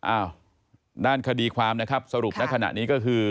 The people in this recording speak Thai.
อ้าวด้านคดีความนะครับสรุปในขณะนี้ก็คือ